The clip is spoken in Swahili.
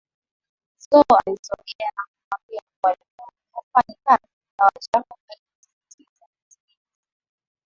Zo alisogea na kumwambia kuwa leo hafanyi kazi ingawa Jacob alimsisitiza amsikilize